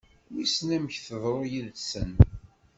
Wissen amek teḍru yid-sen?